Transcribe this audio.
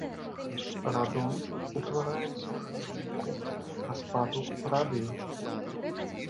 Радон утвараецца ў выніку распаду радыю.